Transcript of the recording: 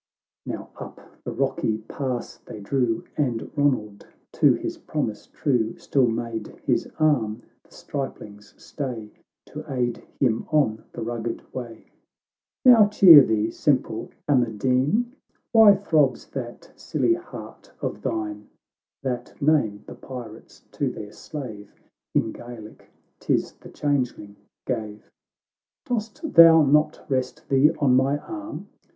XVIII Now up the rocky pass they drew, And Ronald, to his promise true, Still made his arm the stripling's stay, To aid him on the rugged way. '" Now cheer thee, simple Amadine ! "Why throbs that silly heart of thine ?"—— That name the pirates to their slave, (In Gaelic 'tis the Changeling) gave — "Dost thou not rest thee on my arm